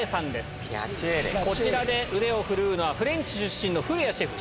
こちらで腕を振るうのはフレンチ出身の古屋シェフ。